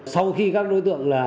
sau khi các đối tượng